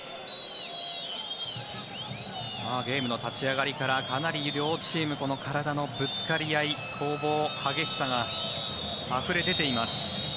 ゲームの立ち上がりからかなり両チーム体のぶつかり合い、攻防激しさがあふれ出ています。